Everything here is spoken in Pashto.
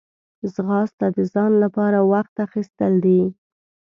ځغاسته د ځان لپاره وخت اخیستل دي